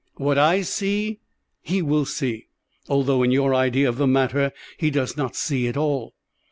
What I see he will see, although in your idea of the matter he does not see at all.